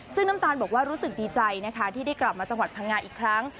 ซึ่งน้ำตาลบอกว่ารู้สึกดีใจนะคะที่ได้กลับมาจังหวัดพังงาอีกครั้ง